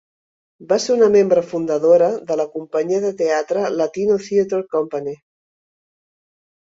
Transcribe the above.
Va ser una membre fundadora de la companyia de teatre Latino Theater Company.